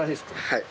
はい。